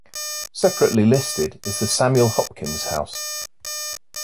Separately listed is the Samuel Hopkins House.